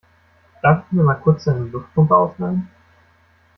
Darf ich mir mal kurz deine Luftpumpe ausleihen?